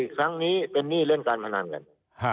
ครั้งนี้เป็นหนี้เล่นการพนันกัน